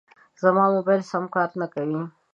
زما موبایل سم کار نه کوي.